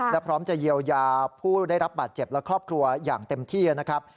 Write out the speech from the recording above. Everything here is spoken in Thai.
และพร้อมจะเยียวยาผู้ได้รับบาดเจ็บและครอบครัวอย่างเต็มที่นะครับ